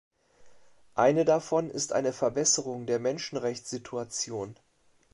Eine davon ist eine Verbesserung der Menschenrechtssituation.